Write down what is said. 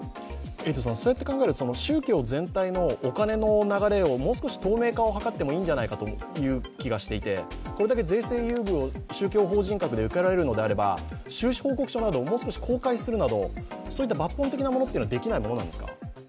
そうやって考えると宗教全体のお金の流れをもう少し透明化を図ってもいいんじゃないかと思っていて、これだけ税制優遇を宗教法人で受けられるのであれば、収支報告書など、もう少し公開するなど抜本的なものはできないものですか？